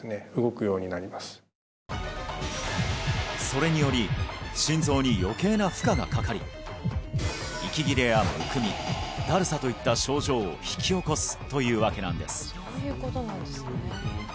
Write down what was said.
それにより心臓に余計な負荷がかかり息切れやむくみだるさといった症状を引き起こすというわけなんです